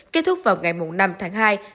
kết thúc vào ngày năm tháng hai